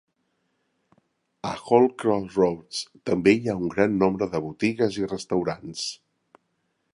A Halls Crossroads també hi ha un gran nombre de botigues i restaurants.